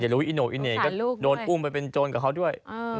รู้อิโนอิเน่ก็โดนอุ้มไปเป็นโจรกับเขาด้วย